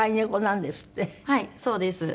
はいそうです。